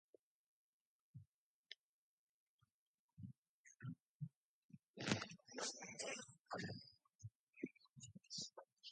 This property had been owned by the local Camas paper mill for decades.